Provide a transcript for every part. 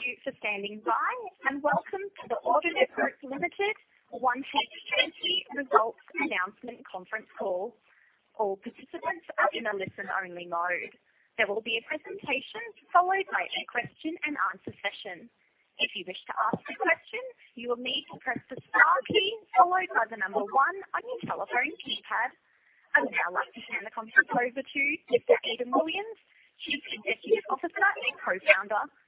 Thank you for standing by, and welcome to the Audinate Group Limited 1H20 Results Announcement Conference Call. All participants are in a listen-only mode. There will be a presentation followed by a question and answer session. If you wish to ask a question, you will need to press the star key followed by the number one on your telephone keypad. I'd now like to hand the conference over to Mr. Aidan Williams, Chief Executive Officer and Co-founder. Hi.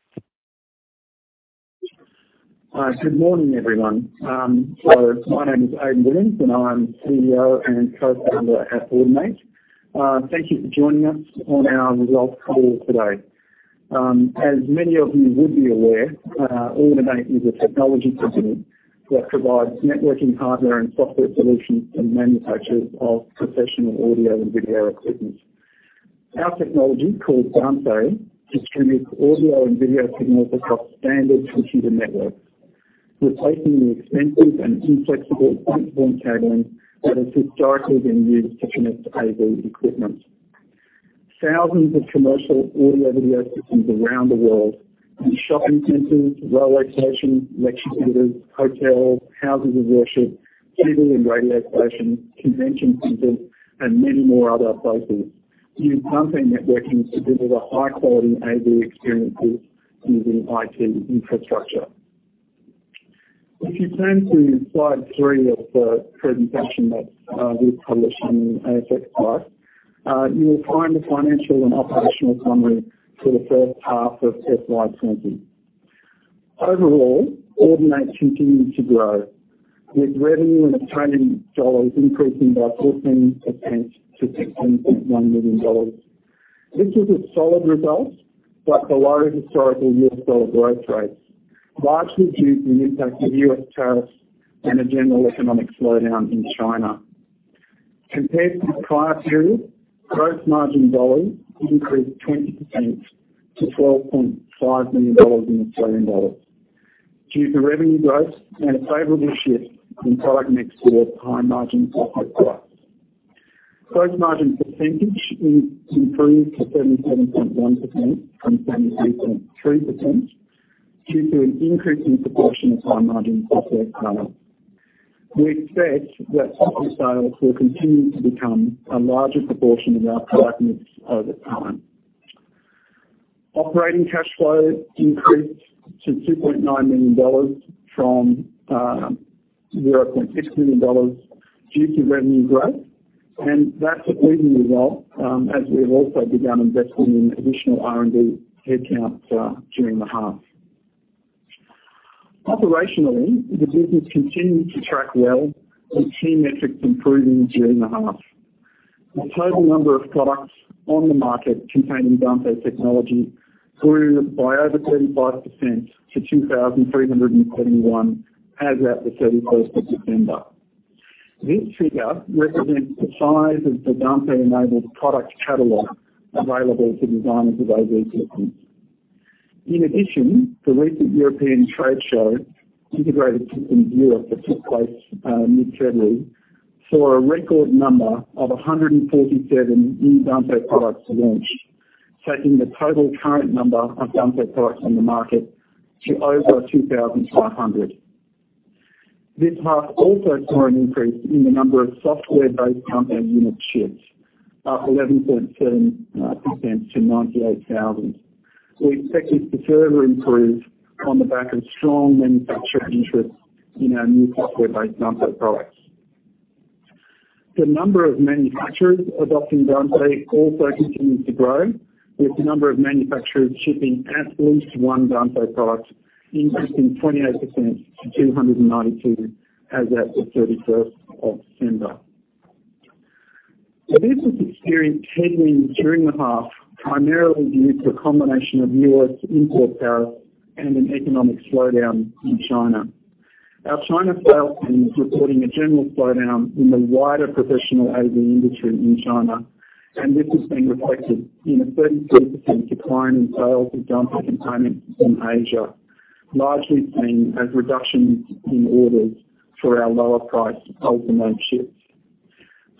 Good morning, everyone. My name is Aidan Williams, and I'm CEO and Co-founder at Audinate. Thank you for joining us on our results call today. As many of you would be aware, Audinate is a technology company that provides networking hardware and software solutions to manufacturers of professional audio and video equipment. Our technology, called Dante, distributes audio and video signals across standard computer networks, replacing the expensive and inflexible point-to-point cabling that has historically been used to connect AV equipment. Thousands of commercial audio video systems around the world, in shopping centers, railway stations, lecture theaters, hotels, houses of worship, TV and radio stations, convention centers, and many more other places, use Dante networking to deliver high-quality AV experiences using IT infrastructure. If you turn to slide three of the presentation that we've published on the ASX site, you will find the financial and operational summary for the first half of FY20. Overall, Audinate continued to grow, with revenue in Australian dollars increasing by 14% to AUD 16.1 million. This is a solid result, but below historical U.S. dollar growth rates, largely due to the impact of U.S. tariffs and a general economic slowdown in China. Compared to the prior period, gross margin dollars increased 20% to 12.5 million dollars in Australian dollars due to revenue growth and a favorable shift in product mix towards higher margin software products. Gross margin percentage increased to 77.1% from 76.3%, due to an increasing proportion of higher margin software products. We expect that software sales will continue to become a larger proportion of our product mix over time. Operating cash flow increased to 2.9 million dollars from 0.6 million dollars due to revenue growth. That's a pleasing result, as we have also begun investing in additional R&D headcount during the half. Operationally, the business continued to track well, with key metrics improving during the half. The total number of products on the market containing Dante technology grew by over 35% to 2,321 as at the 31st of December. This figure represents the size of the Dante-enabled product catalog available to designers of AV systems. In addition, the recent European trade show, Integrated Systems Europe, that took place mid-February, saw a record number of 147 new Dante products launch, taking the total current number of Dante products on the market to over 2,500. This half also saw an increase in the number of software-based Dante unit shifts, up 11.7% to 98,000. We expect this to further improve on the back of strong manufacturer interest in our new software-based Dante products. The number of manufacturers adopting Dante also continues to grow, with the number of manufacturers shipping at least one Dante product increasing 28% to 292 as at the 31st of December. The business experienced headwinds during the half, primarily due to a combination of U.S. import tariffs and an economic slowdown in China. Our China sales team is reporting a general slowdown in the wider professional AV industry in China. This has been reflected in a 33% decline in sales of Dante components in Asia, largely seen as reductions in orders for our lower priced Ultimo chips.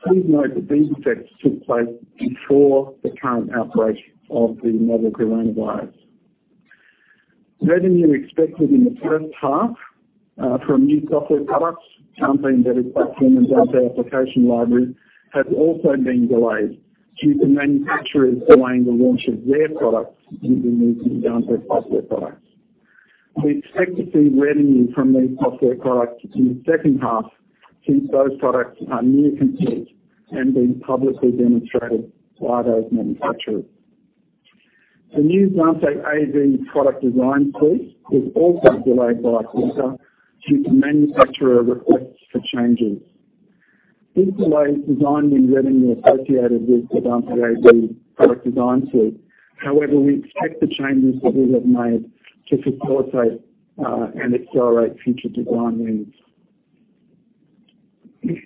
Please note that these effects took place before the current outbreak of the novel coronavirus. Revenue expected in the first half from new software products, Dante Embedded Platform and Dante Application Library, has also been delayed due to manufacturers delaying the launch of their products using these new Dante software products. We expect to see revenue from these software products in the second half, since those products are near complete and being publicly demonstrated by those manufacturers. The new Dante AV product design suite was also delayed by a quarter due to manufacturer requests for changes. This delayed designing revenue associated with the Dante AV product design suite. However, we expect the changes that we have made to facilitate and accelerate future design wins.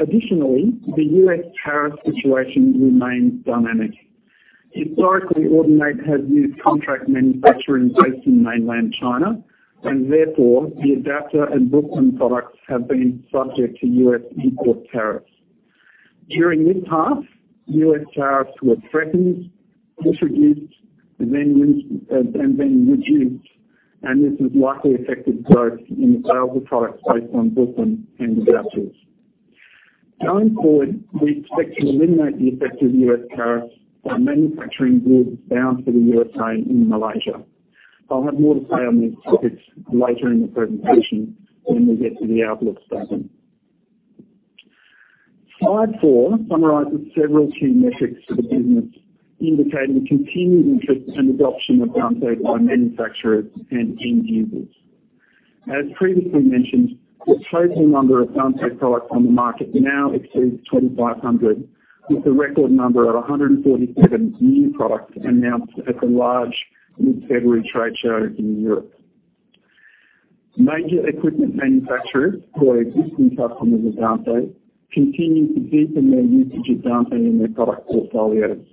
Additionally, the U.S. tariff situation remains dynamic. Historically, Audinate has used contract manufacturing based in mainland China, and therefore, the adapter and Brooklyn products have been subject to U.S. import tariffs. During this half, U.S. tariffs were threatened, first reduced, and then reduced. This has likely affected growth in the sale of the products based on Brooklyn and Virtual. Going forward, we expect to eliminate the effect of U.S. tariffs by manufacturing goods bound for the U.S.A. in Malaysia. I'll have more to say on this topic later in the presentation when we get to the outlook section. Slide four summarizes several key metrics for the business indicating continued interest and adoption of Dante by manufacturers and end users. As previously mentioned, the total number of Dante products on the market now exceeds 2,500, with a record number of 147 new products announced at the large mid-February trade show in Europe. Major equipment manufacturers, who are existing customers of Dante, continue to deepen their usage of Dante in their product portfolios,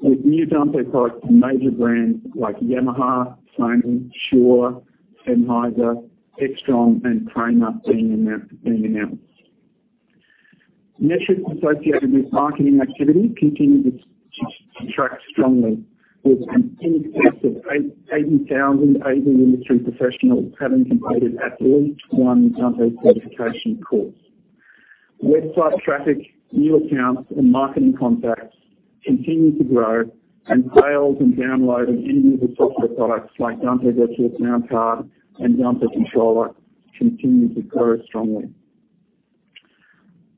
with new Dante products from major brands like Yamaha, Sennheiser, Extron, and Kramer being announced. Metrics associated with marketing activity continue to track strongly, with in excess of 80,000 AV industry professionals having completed at least one Dante certification course. Website traffic, new accounts, and marketing contacts continue to grow, and sales and download of end-user software products like Dante Virtual Soundcard and Dante Controller continue to grow strongly.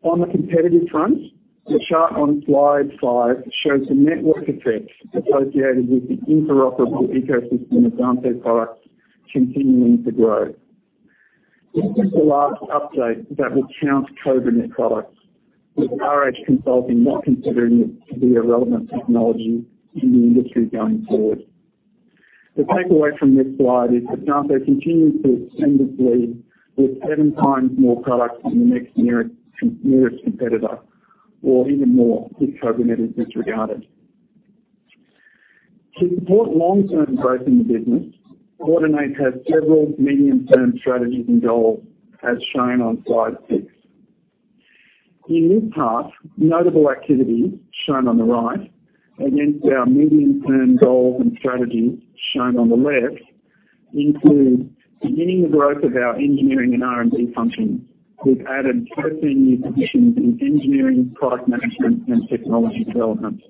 On the competitive front, the chart on slide five shows the network effects associated with the interoperable ecosystem of Dante products continuing to grow. This is the last update that will count CobraNet products, with RH Consulting not considering it to be a relevant technology in the industry going forward. The takeaway from this slide is that Dante continues to extend its lead with seven times more products than the next nearest competitor, or even more if CobraNet is disregarded. To support long-term growth in the business, Audinate has several medium-term strategies and goals as shown on slide six. In this half, notable activities shown on the right against our medium-term goals and strategies shown on the left include beginning the growth of our engineering and R&D functions. We've added 13 new positions in engineering, product management, and technology development.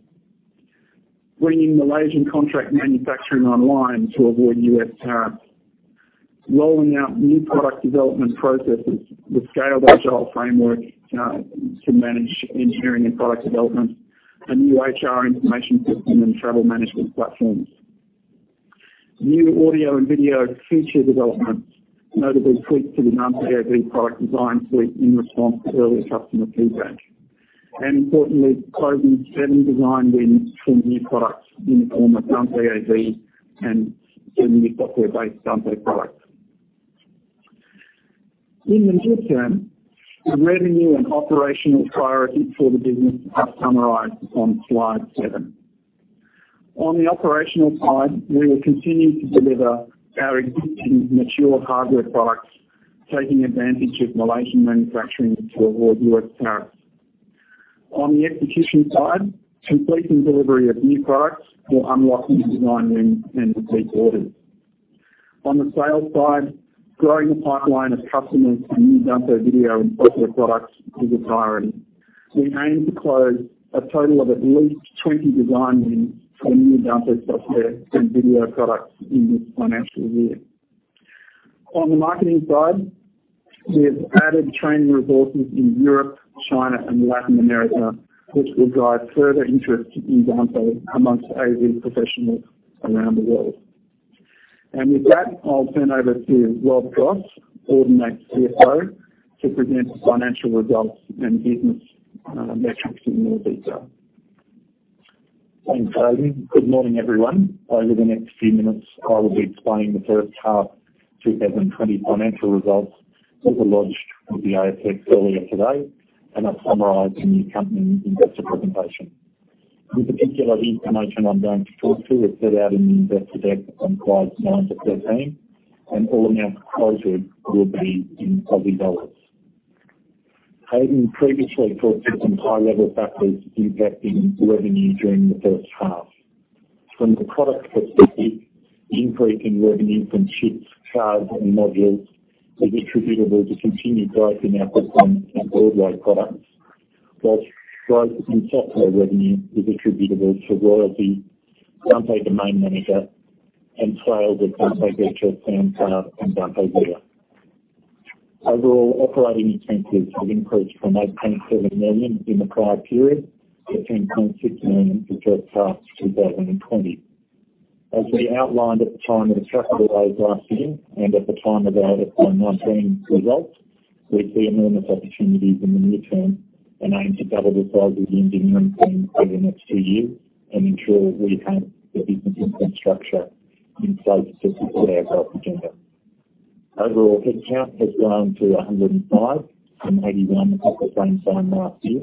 Bringing Malaysian contract manufacturing online to avoid U.S. tariffs. Rolling out new product development processes with Scaled Agile Framework to manage engineering and product development, and new HR information system and travel management platforms. New audio and video feature developments, notably tweaks to the Dante AV product design suite in response to early customer feedback. Importantly, closing seven design wins for new products in the form of Dante AV and new software-based Dante products. In the near term, the revenue and operational priorities for the business are summarized on slide seven. On the operational side, we will continue to deliver our existing mature hardware products, taking advantage of Malaysian manufacturing to avoid U.S. tariffs. On the execution side, completing delivery of new products will unlock new design wins and repeat orders. On the sales side, growing the pipeline of customers for new Dante video and software products is a priority. We aim to close a total of at least 20 design wins for new Dante software and video products in this financial year. On the marketing side, we have added training resources in Europe, China, and Latin America, which will drive further interest in Dante amongst AV professionals around the world. With that, I'll turn over to Rob Goss, Audinate CFO, to present financial results and business metrics in more detail. Thanks, Aidan. Good morning, everyone. Over the next few minutes, I will be explaining the first half 2020 financial results that were lodged with the ASX earlier today, and are summarized in the accompanying investor presentation. The particular information I'm going to talk to is set out in the investor deck on slides nine to 13, and all amounts quoted will be in AUD. Aidan previously talked to some high-level factors impacting revenue during the first half. From the product perspective, the increase in revenue from chips, cards, and modules is attributable to continued growth in our Brooklyn and Broadway products, whilst growth in software revenue is attributable to royalty, Dante Domain Manager, and sales of Dante Virtual Soundcard and Dante Via. Overall operating expenses have increased from 8.7 million in the prior period to 9.6 million for first half 2020. As we outlined at the time of the capital raise last year, and at the time of our FY 2019 results, we see enormous opportunities in the near term and aim to double the size of the engineering team over the next few years and ensure we have the business infrastructure in place to support our growth agenda. Overall, headcount has grown to 105 from 81 at the corresponding time last year.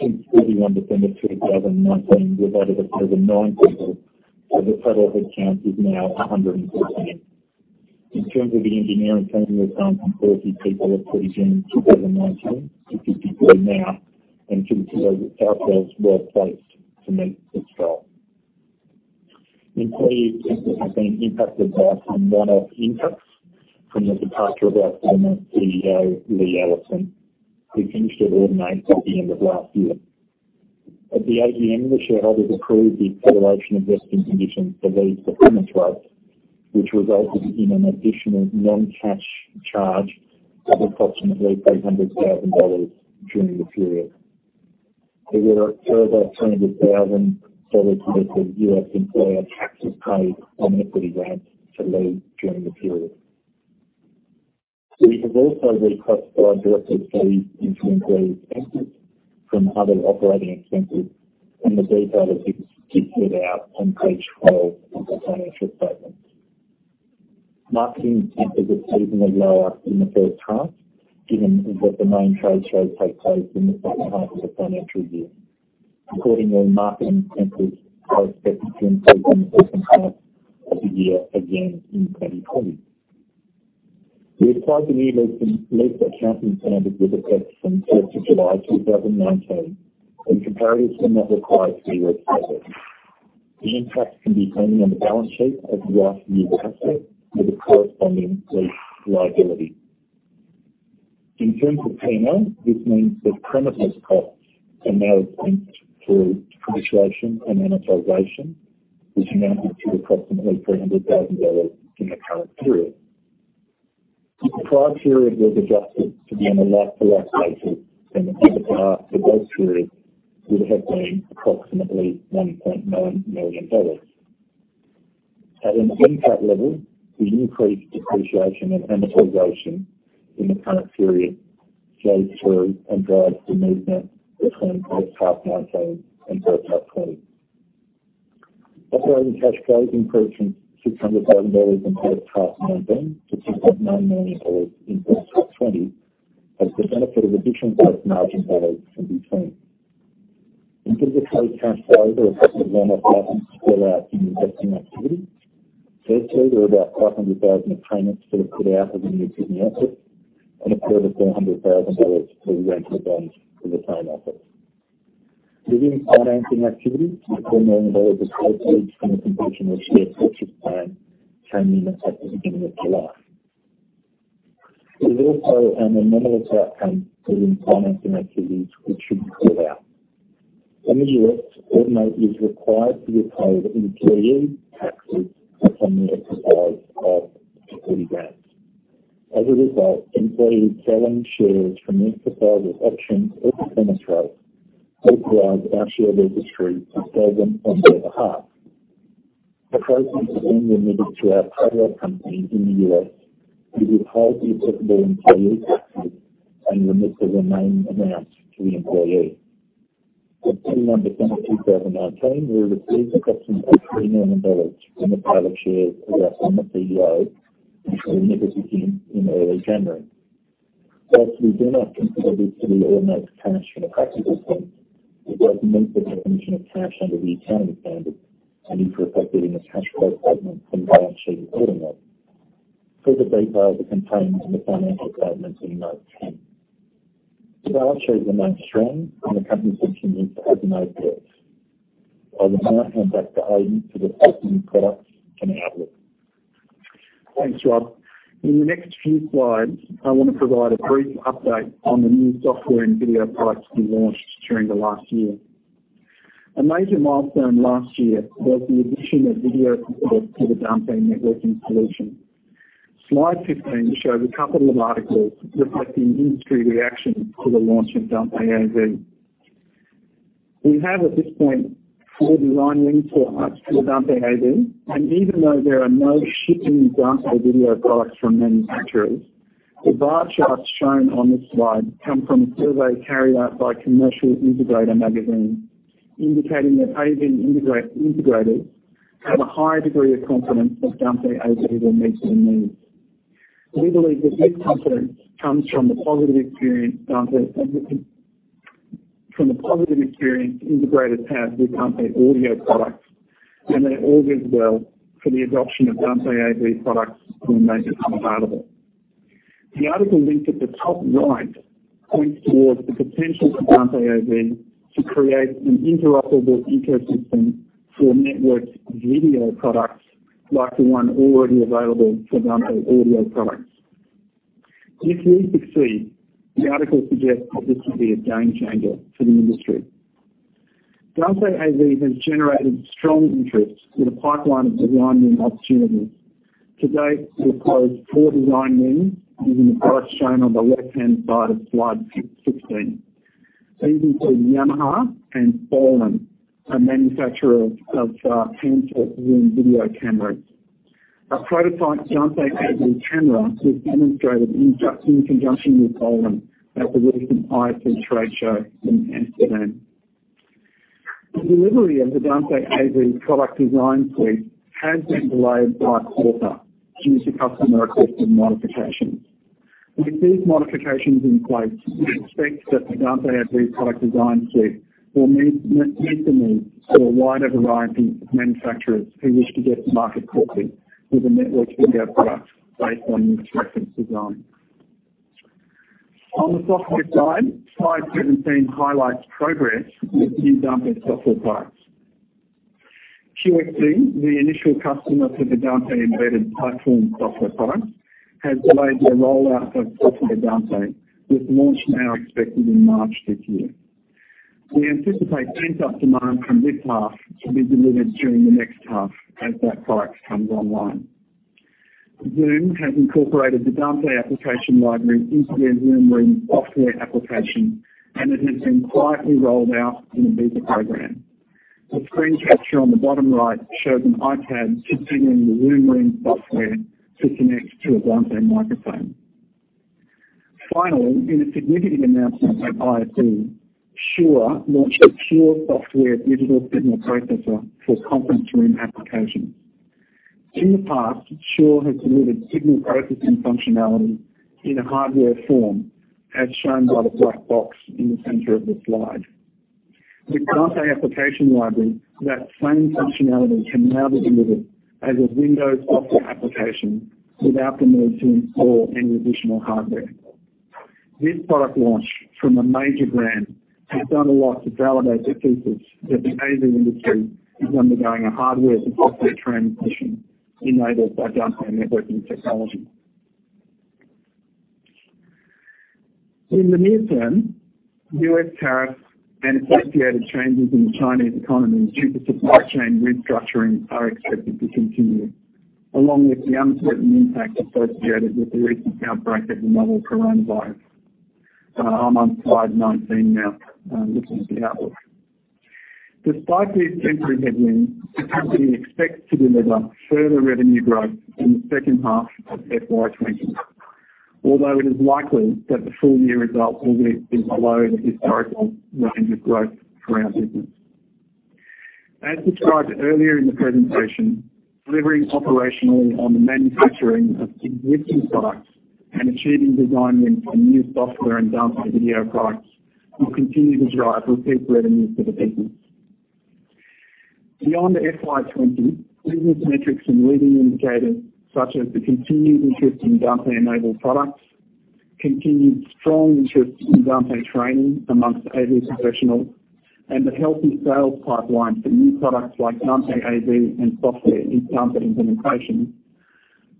Since 31 December 2019, we've added a further nine people, so the total headcount is now 114. In terms of the engineering team, we've gone from 40 people at 30 June 2019 to 50 people now, and continue to feel that ourselves well-placed to meet this growth. Employee expenses have been impacted by some one-off impacts from the departure of our former CEO, Lee Ellison, who finished at Audinate at the end of last year. At the AGM, the shareholders approved the acceleration of vesting conditions for Lee's performance rights, which resulted in an additional non-cash charge of approximately 300,000 dollars during the period. There were a further AUD 200,000 related to U.S. employer taxes paid on equity grants to Lee during the period. We have also reclassified director fees into employee expenses from other operating expenses. The detail of this is set out on page 12 of the financial statements. Marketing expenses are seasonally lower in the first half, given that the main trade shows take place in the second half of the financial year. Accordingly, marketing expenses are expected to increase in the second half of the year again in 2020. We applied the lease and lease accounting standard with effect from 3rd of July 2019. Comparatives from that require to be restated. The impact can be found on the balance sheet as a right-of-use asset with a corresponding lease liability. In terms of P&L, this means that premises costs are now accounted for depreciation and amortization, which amounted to approximately 300,000 dollars in the current period. If the prior period was adjusted to be on a like-for-like basis then the comparable for last period would have been approximately 1.9 million dollars. At an income level, the increased depreciation and amortization in the current period flow through and drive the movement between first half 2019 and first half 2020. Operating cash flow increased from AUD 600,000 in first half 2019 to AUD 2.9 million in first half 2020 as the benefit of additional gross margin flows from retained. In terms of cash flows, there are a couple of one-off items to call out in investing activity. There were about 500,000 of payments that are put out as a new business asset and a further 400,000 dollars for rental bonds for the same assets. Within financing activities, AUD 4 million of proceeds from the completion of share purchase plan came in at the beginning of July. There is also an anomalous outcome within financing activities which should be called out. In the U.S., Audinate is required to withhold employee taxes from the exercise of equity grants. Employees selling shares from the exercise of options or performance rights authorize our share registry to sell them on their behalf. Proceeds are remitted through our parent company in the U.S., who withhold the applicable employee taxes and remit the remaining amounts to the employee. On 2 November 2019, we received approximately AUD 3 million from the private shares of our former CEO, which were remitted to him in early January. We do not consider this to be Audinate's cash from a practical point, it does meet the definition of cash under the accounting standard and, in effect, is a cash flow statement from the balance sheet of Audinate. Further detail is contained in the financial statements in note 10. The balance sheet remains strong, and the company continues to have no debts. I will now hand back to Aidan to discuss new products and outlook. Thanks, Rob. In the next few slides, I want to provide a brief update on the new software and video products we launched during the last year. A major milestone last year was the addition of video support to the Dante networking solution. Slide 15 shows a couple of articles reflecting industry reaction to the launch of Dante AV. We have at this point four design wins for Dante AV, and even though there are no shipping Dante video products from manufacturers, the bar charts shown on this slide come from a survey carried out by Commercial Integrator Magazine, indicating that AV integrators have a high degree of confidence that Dante AV will meet their needs. We believe that this confidence comes from the positive experience integrators have with Dante audio products, and that all bodes well for the adoption of Dante AV products when they become available. The article linked at the top right points towards the potential for Dante AV to create an interoperable ecosystem for networked video products like the one already available for Dante audio products. If we succeed, the article suggests that this will be a game changer for the industry. Dante AV has generated strong interest with a pipeline of design win opportunities. To date, we have closed four design wins using the products shown on the left-hand side of slide 16. These include Yamaha and Bolin, a manufacturer of pan-tilt-zoom video cameras. A prototype Dante AV camera was demonstrated in conjunction with Bolin at the recent ISE trade show in Amsterdam. The delivery of the Dante AV product design suite has been delayed by a quarter due to customer requested modifications. With these modifications in place, we expect that the Dante AV product design suite will meet the needs of a wider variety of manufacturers who wish to get to market quickly with a networked video product based on this reference design. On the software side, slide 17 highlights progress with new Dante software products. QSC, the initial customer for the Dante Embedded Platform software product, has delayed their rollout of Software Dante, with launch now expected in March this year. We anticipate pent-up demand from this half to be delivered during the next half as that product comes online. Zoom has incorporated the Dante Application Library into their Zoom Rooms software application, and it has been quietly rolled out in a beta program. The screenshot on the bottom right shows an iPad sitting in the Zoom Rooms software to connect to a Dante microphone. Finally, in a significant announcement at ISE, Shure launched a Shure software digital signal processor for conference room applications. In the past, Shure has delivered signal processing functionality in a hardware form, as shown by the black box in the center of the slide. With Dante Application Library, that same functionality can now be delivered as a Windows software application without the need to install any additional hardware. This product launch from a major brand has done a lot to validate the thesis that the AV industry is undergoing a hardware to software transition enabled by Dante networking technology. In the near term, U.S. tariffs and associated changes in the Chinese economy due to supply chain restructuring are expected to continue, along with the uncertain impact associated with the recent outbreak of the novel coronavirus. I'm on slide 19 now, looking at the outlook. Despite these temporary headwinds, the company expects to deliver further revenue growth in the second half of FY 2020, although it is likely that the full-year result will be below the historical range of growth for our business. As described earlier in the presentation, delivering operationally on the manufacturing of existing products and achieving design wins on new software and Dante video products will continue to drive repeat revenues for the business. Beyond FY20, business metrics and leading indicators such as the continued interest in Dante-enabled products, continued strong interest in Dante training amongst AV professionals, and the healthy sales pipeline for new products like Dante AV and software in Dante implementations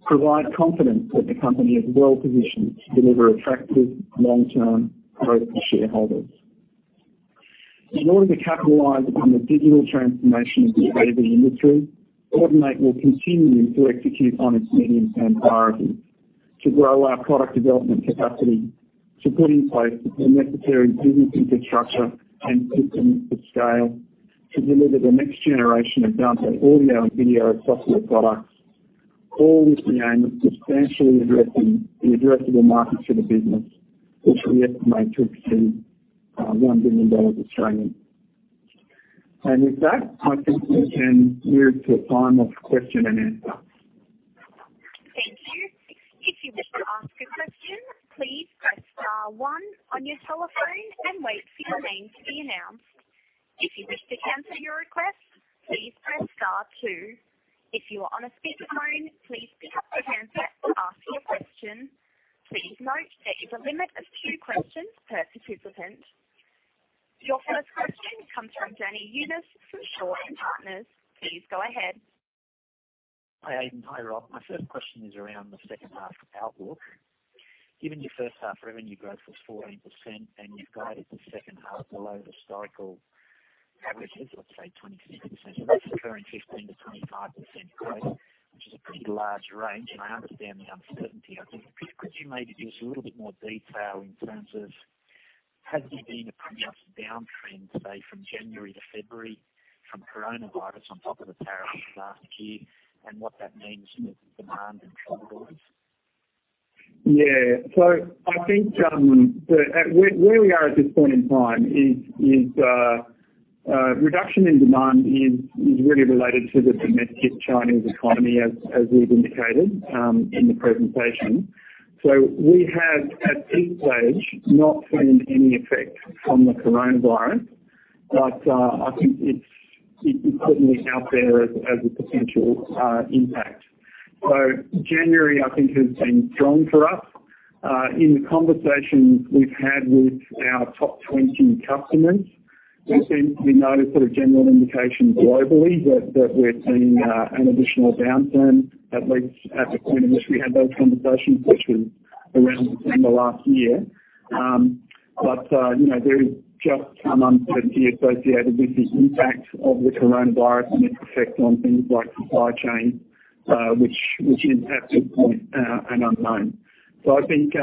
provide confidence that the company is well-positioned to deliver attractive long-term growth for shareholders. In order to capitalize on the digital transformation of the AV industry, Audinate will continue to execute on its medium-term priorities to grow our product development capacity, to put in place the necessary business infrastructure and systems to scale, to deliver the next generation of Dante audio and video software products, all with the aim of substantially addressing the addressable market for the business, which we estimate to exceed 1 billion Australian dollars. With that, I think we can move to a time of question and answer. Thank you. If you wish to ask a question, please press star one on your telephone and wait for your name to be announced. If you wish to cancel your request, please press star two. If you are on a speakerphone, please pick up the handset to ask your question. Please note there is a limit of two questions per participant. Your first question comes from Danny Younis from Shaw and Partners. Please go ahead. Hi, Aidan. Hi, Rob. My first question is around the second half outlook. Given your first half revenue growth was 14% and you've guided the second half below historical averages, let's say 26%, so that's occurring 15%-25% growth, which is a pretty large range, and I understand the uncertainty. Could you maybe give us a little bit more detail in terms of has there been a pronounced downtrend, say, from January to February from coronavirus on top of the tariffs last year and what that means in terms of demand and timelines? Yeah. I think where we are at this point in time is reduction in demand is really related to the domestic Chinese economy, as we've indicated in the presentation. We have, at this stage, not seen any effect from the coronavirus, but I think it's certainly out there as a potential impact. January, I think, has been strong for us. In the conversations we've had with our top 20 customers, we noted sort of general indication globally that we're seeing an additional downturn, at least at the point at which we had those conversations, which was around December last year. There is just some uncertainty associated with the impact of the coronavirus and its effect on things like supply chain, which is at this point an unknown. I think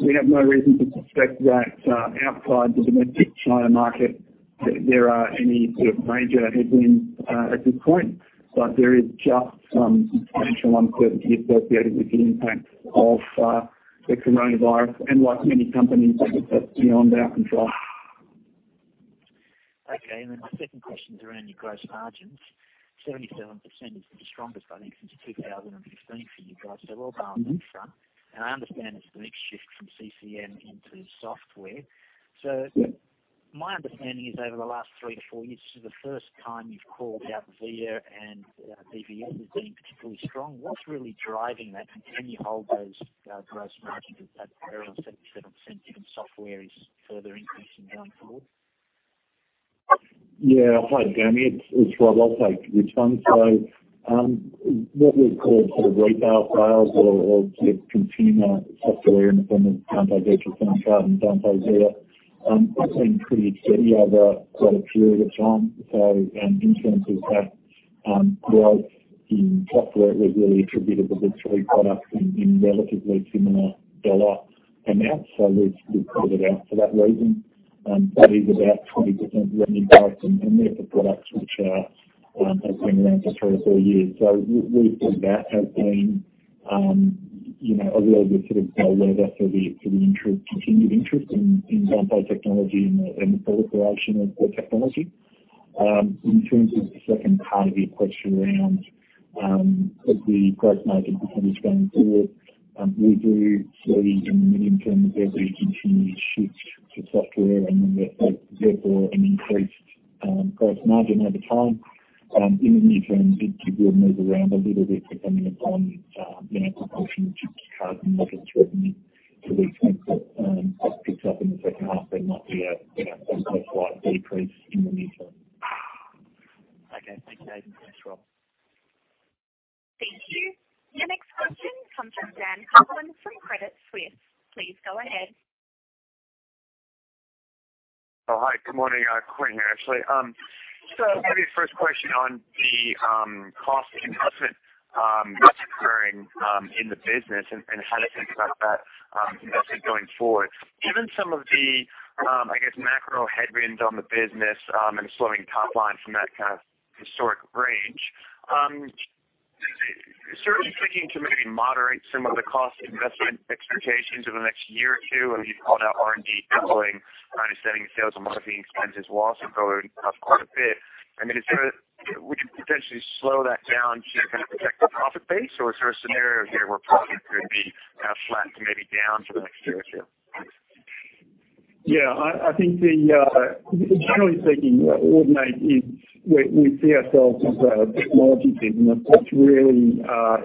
we have no reason to suspect that outside the domestic China market there are any sort of major headwinds at this point. There is just some potential uncertainty associated with the impact of the coronavirus, and like many companies, that's beyond our control. My second question is around your gross margins. 77% is the strongest, I think, since 2016 for you guys. Well done on that front. I understand it's the mix shift from CCM into software. My understanding is over the last three to four years, this is the first time you've called out Via and DVS as being particularly strong. What's really driving that, and can you hold those gross margins at that level, 77%, given software is further increasing going forward? Yeah. Hi, Danny. It's Rob. I'll take the first one. What we've called sort of retail sales or consumer software in the form of Dante Virtual Soundcard and Dante Via, it's been pretty steady over quite a period of time. In terms of that growth in software, it was really attributed to the three products in relatively similar dollar amounts. We've called it out for that reason. That is about 20% revenue growth, and they're the products which have been around for three or four years. We think that has been a real good sort of bellwether for the continued interest in Dante technology and the proliferation of that technology. In terms of the second part of your question around the gross margin performance going forward, we do see in the medium term that we continue to shift to software and therefore an increased gross margin over time. In the near term, it will move around a little bit depending upon the proportion of chips to cards and modules revenue that we take, but that picks up in the second half and not the almost slight decrease in the near term. Okay. Thanks, Aidan. Thanks, Rob. Thank you. Your next question comes from Dan Coughlan from Credit Suisse. Please go ahead. Oh, hi. Good morning. Quinn here, actually. Maybe first question on the cost investment that's occurring in the business and how to think about that investment going forward. Given some of the, I guess, macro headwinds on the business and slowing top line from that kind of historic range, is there a thinking to maybe moderate some of the cost investment expectations over the next year or two? I mean, you called out R&D doubling, kind of saying sales and marketing expenses will also grow up quite a bit. I mean, would you potentially slow that down to kind of protect the profit base, or is there a scenario here where profit could be kind of flat to maybe down for the next year or two? I think generally speaking, Audinate is, we see ourselves as a technology business that's really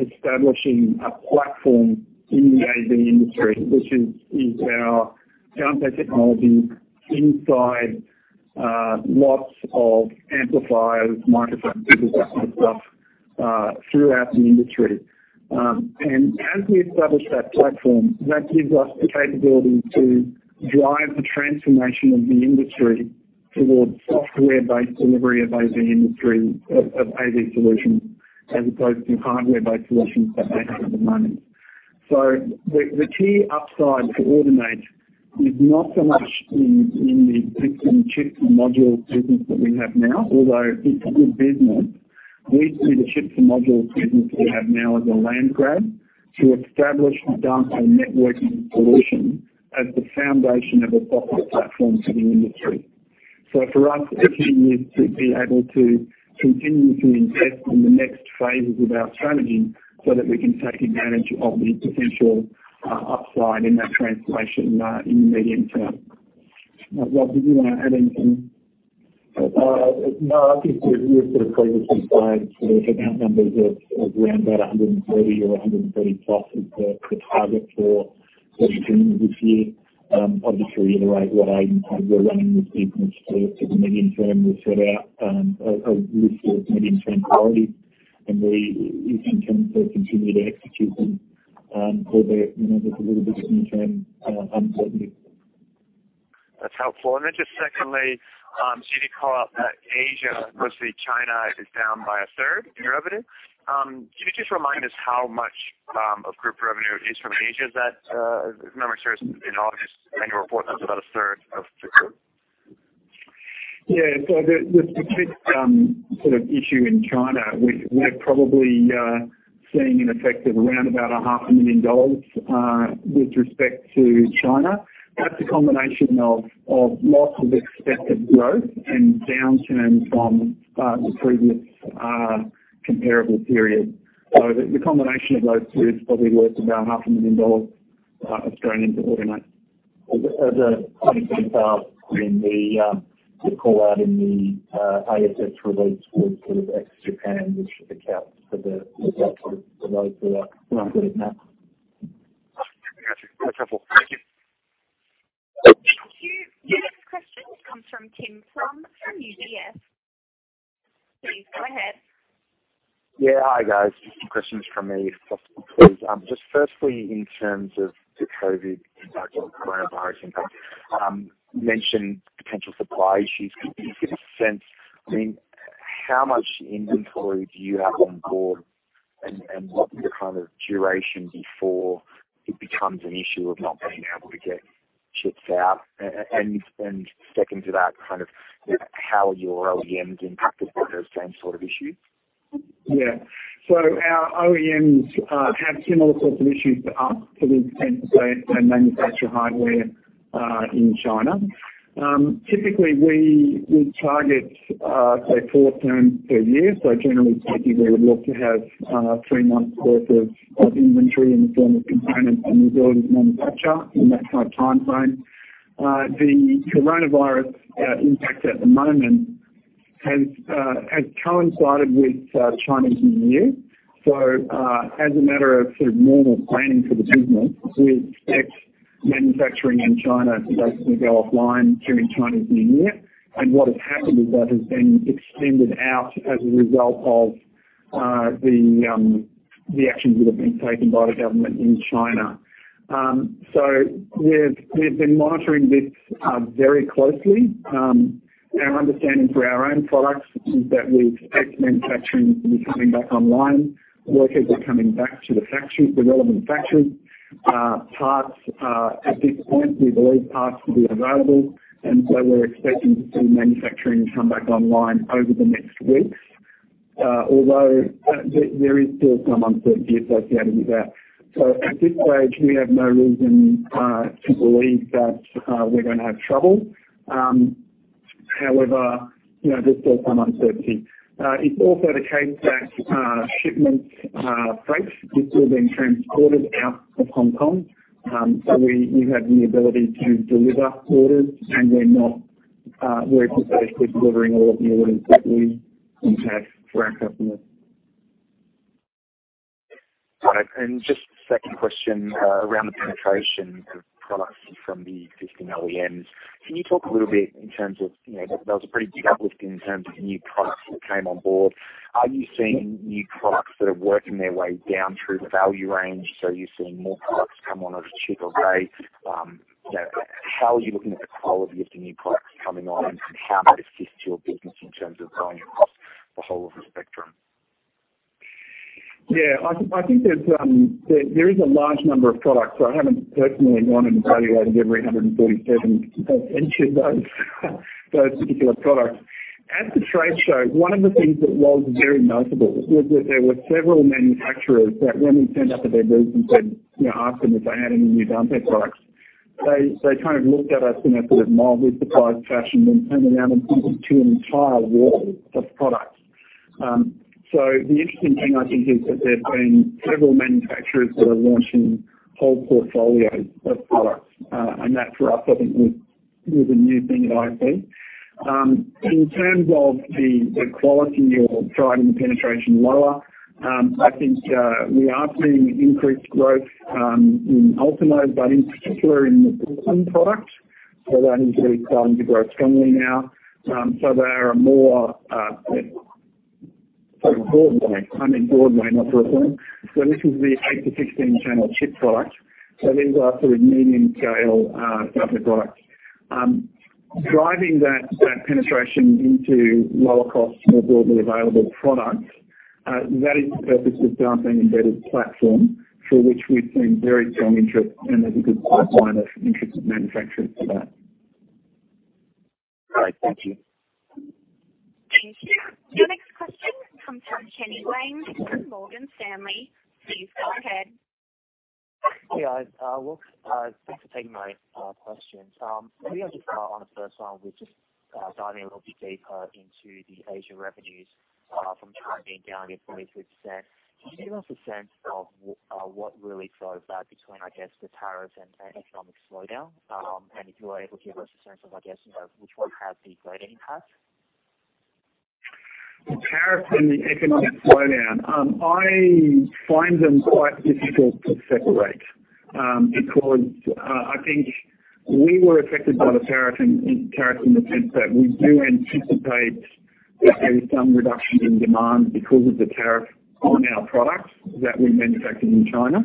establishing a platform in the AV industry, which is our Dante technology inside lots of amplifiers, microphones, speakers, that kind of stuff, throughout the industry. As we establish that platform, that gives us the capability to drive the transformation of the industry towards software-based delivery of AV solutions, as opposed to hardware-based solutions that they have at the moment. The key upside for Audinate is not so much in the chips and modules business that we have now, although it's a good business. We see the chips and modules business we have now as a land grab to establish a Dante networking solution as the foundation of a software platform for the industry. For us, the key is to be able to continue to invest in the next phases of our strategy so that we can take advantage of the potential upside in that transformation in the medium term. Rob, did you want to add anything? I think we've sort of previously flagged sort of account numbers of around about 130 or 130 plus as the target for the end of this year. I'll just reiterate what Aidan said. We're running with confidence to the medium term. We've set out a list of medium-term priorities, and we are in terms of continuing to execute them. There's a little bit of near-term uncertainty. That's helpful. Then just secondly, you did call out that Asia, specifically China, is down by 1/3 in your revenue. Can you just remind us how much of group revenue is from Asia? If memory serves in August, in annual report, that was about 1/3 of the group. Yeah. The specific sort of issue in China, we're probably seeing an effect of around about a half a million AUD with respect to China. That's a combination of loss of expected growth and downturn from the previous comparable period. The combination of those two is probably worth about AU$500,000 to Audinate. As a point of detail in the call out in the ASX release was sort of ex-Japan, which accounts for the- Okay. loss of Good enough. Got you. No trouble. Thank you. Thank you. Your next question comes from Tim from UBS. Please go ahead. Yeah. Hi, guys. Just some questions from me if possible, please. Just firstly, in terms of the COVID impact or coronavirus impact, you mentioned potential supply issues. Could you give a sense, I mean, how much inventory do you have on board, and what's the kind of duration before it becomes an issue of not being able to get chips out? Second to that kind of how are your OEMs impacted by those same sort of issues? Yeah. Our OEMs have similar sorts of issues to us to the extent that they manufacture hardware in China. Typically, we target, say, four turns per year. Generally speaking, we would look to have three months worth of inventory in the form of components and as well as manufacture in that kind of timeframe. The coronavirus impact at the moment has coincided with Chinese New Year. As a matter of sort of normal planning for the business, we expect manufacturing in China to basically go offline during Chinese New Year. What has happened is that has been extended out as a result of the actions that have been taken by the government in China. We've been monitoring this very closely. Our understanding for our own products is that we expect manufacturing to be coming back online, workers are coming back to the relevant factories. At this point, we believe parts will be available, we're expecting to see manufacturing come back online over the next weeks. There is still some uncertainty associated with that. At this stage, we have no reason to believe that we're going to have trouble. There's still some uncertainty. It's also the case that shipments, freight is still being transported out of Hong Kong. We have the ability to deliver orders, and we're basically delivering all of the orders that we intend for our customers. Got it. Just a second question around the penetration of products from the existing OEMs. Can you talk a little bit in terms of, that was a pretty big uplift in terms of new products that came on board. Are you seeing new products that are working their way down through the value range? So you're seeing more products come on at a cheaper rate. How are you looking at the quality of the new products coming on and how that assists your business in terms of going across the whole of the spectrum? Yeah, I think there is a large number of products. I haven't personally gone and evaluated every 147 of each of those particular products. At the trade show, one of the things that was very noticeable was that there were several manufacturers that, when we turned up at their booth and said, asked them if they had any new Dante products, they kind of looked at us in a sort of mildly surprised fashion, then turned around and pointed to an entire wall of products. The interesting thing I think is that there's been several manufacturers that are launching whole portfolios of products. That for us, I think was a new thing that I see. In terms of the quality or driving the penetration lower, I think, we are seeing increased growth in Ultimo, but in particular in the Brooklyn product. That is really starting to grow strongly now. They are a more, sort of Broadway, I mean Broadway, not Brooklyn. This is the eight to 16-channel chip product. These are sort of medium-scale Dante products. Driving that penetration into lower cost, more broadly available products, that is the purpose of Dante Embedded Platform for which we've seen very strong interest and there's a good pipeline of interested manufacturers for that. Great. Thank you. Thank you. Your next question comes from Chenny Wang from Morgan Stanley. Please go ahead. Hey, guys. Thanks for taking my question. Maybe I'll just start on the first one with just diving a little bit deeper into the Asia revenues from being down 43%. Can you give us a sense of what really drove that between, I guess the tariff and economic slowdown? If you are able to give us a sense of, I guess, which one has the greater impact? The tariff and the economic slowdown. I find them quite difficult to separate, because I think we were affected by the tariff in the sense that we do anticipate that there is some reduction in demand because of the tariff on our products that we manufacture in China.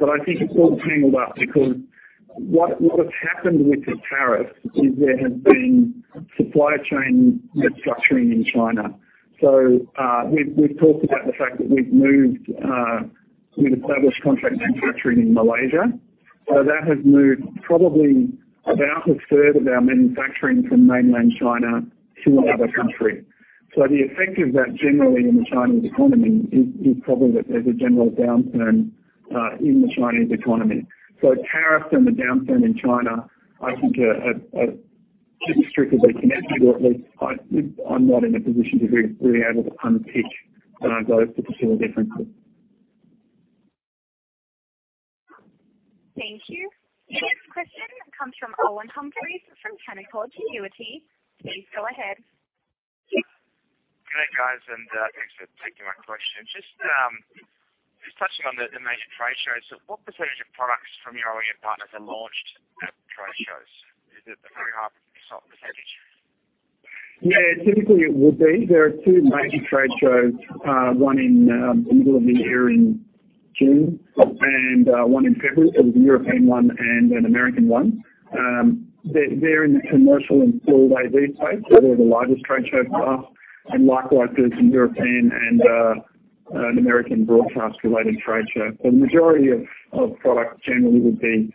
I think it's all tangled up because what has happened with the tariff is there has been supply chain restructuring in China. We've talked about the fact that we've established contract manufacturing in Malaysia. That has moved probably about a third of our manufacturing from mainland China to another country. The effect of that generally in the Chinese economy is probably that there's a general downturn in the Chinese economy. Tariffs and the downturn in China I think are just strictly connected, or at least I'm not in a position to be really able to unpick those particular differences. Thank you. The next question comes from Owen Humphries from Canaccord Genuity. Please go ahead. G'day, guys. Thanks for taking my question. Just touching on the major trade shows, what % of products from your OEM partners are launched at trade shows? Is it the very high sort of %? Yeah. Typically, it would be. There are two major trade shows, one in the middle of the year in June and one in February. There's a European one and an American one. They're in the commercial and pro AV space, so they're the largest trade shows for us, and likewise there's some European and an American broadcast-related trade show. The majority of products generally would be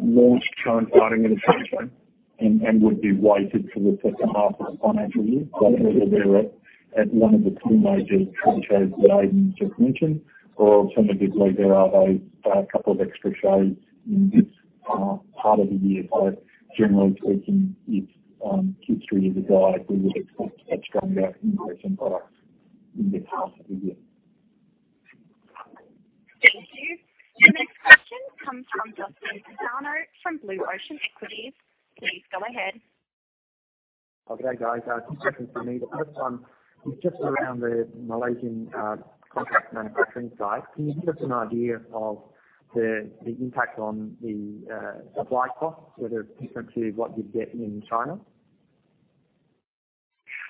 launched current financial year and would be weighted towards the second half of the financial year. That will be at one of the two major trade shows that Aidan just mentioned, or alternatively, there are a couple of extra shows in this part of the year. Generally speaking, if Q3 is a guide, we would expect a stronger increase in products in this half of the year. Thank you. Your next question comes from Justin Pezzano from Blue Ocean Equities. Please go ahead. Okay, guys, two questions from me. The first one is just around the Malaysian contract manufacturing side. Can you give us an idea of the impact on the supply costs, whether it's different to what you'd get in China?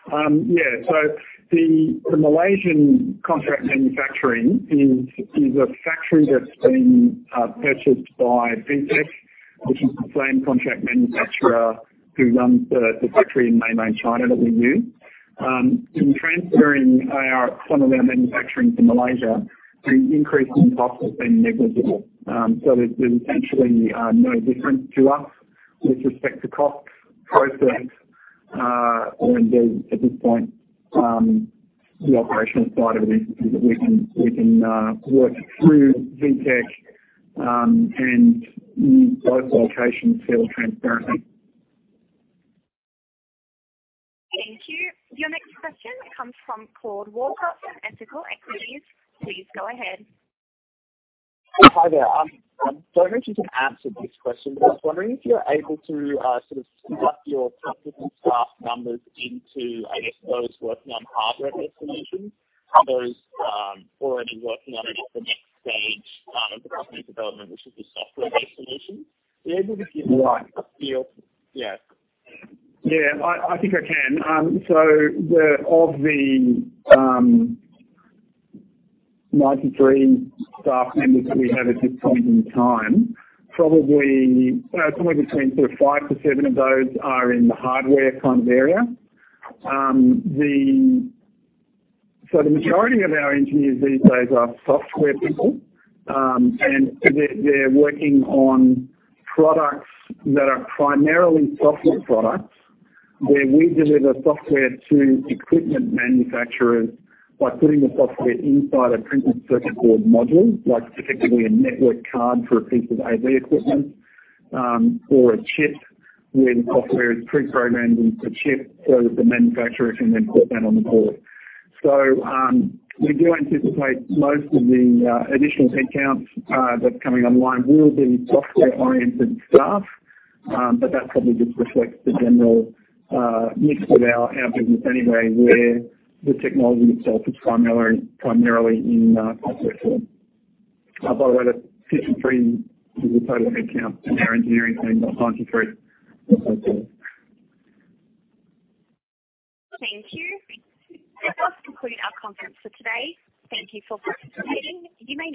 Yeah. The Malaysian contract manufacturing is a factory that's been purchased by VTech, which is the same contract manufacturer who runs the factory in Maoming, China that we use. In transferring some of our manufacturing to Malaysia, the increase in cost has been negligible. There's essentially no difference to us with respect to cost, process, or indeed at this point, the operational side of it, because we can work through VTech and use both locations fairly transparently. Thank you. Your next question comes from Claude Walker from Ethical Equities. Please go ahead. Hi there. I don't know if you can answer this question, but I was wondering if you're able to sort of split up your technical staff numbers into, I guess, those working on hardware-based solutions and those already working on the next stage of the company development, which is the software-based solution. Be able to give a feel? Yeah. Yeah, I think I can. Of the 93 staff members that we have at this point in time, probably somewhere between sort of five to seven of those are in the hardware kind of area. The majority of our engineers these days are software people, and they're working on products that are primarily software products, where we deliver software to equipment manufacturers by putting the software inside a printed circuit board module, like effectively a network card for a piece of AV equipment, or a chip where the software is pre-programmed into a chip so that the manufacturer can then put that on the board. We do anticipate most of the additional headcounts that's coming online will be software-oriented staff. That probably just reflects the general mix with our business anyway, where the technology itself is primarily in software form. By the way, that 53 is the total headcount and our engineering team got 93. Thank you. That does conclude our conference for today. Thank you for participating. You may disconnect.